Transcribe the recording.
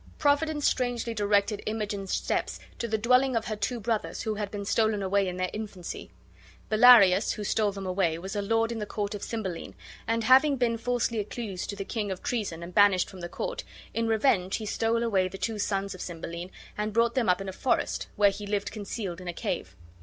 Providence strangely directed Imogen's steps to the dwelling of her two brothers who had been stolen away in their infancy. Bellarius, who stole them away, was a lord in the court of Cymbeline, and, having been falsely accused to the king of treason and banished from the court, in revenge he stole away the two sons of Cymbeline and brought them up in a forest, where he lived concealed in a cave.